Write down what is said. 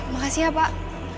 makasih ya pak